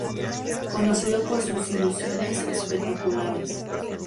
Conocido por sus ilusiones espectaculares.